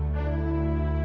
aku akan mencari tuhan